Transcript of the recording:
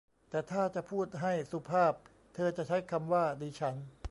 แต่ถ้าจะพูดให้สุภาพ เธอจะใช้คำว่าดิฉัน